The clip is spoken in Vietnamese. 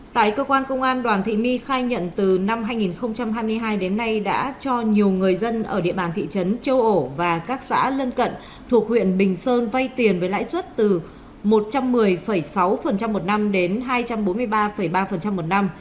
tại cơ quan công an đoàn thị my khai nhận từ năm hai nghìn hai mươi hai đến nay đã cho nhiều người dân ở địa bàn thị trấn châu âu và các xã lân cận thuộc huyện bình sơn vay tiền với lãi suất từ một trăm một mươi sáu một năm đến hai trăm bốn mươi ba ba một năm